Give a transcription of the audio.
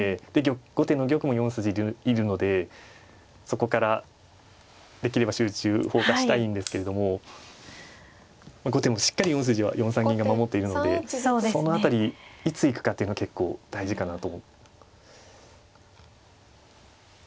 後手の玉も４筋にいるのでそこからできれば集中砲火したいんですけれども後手もしっかり４筋は４三銀が守っているのでその辺りいつ行くかっていうのは結構大事かなと。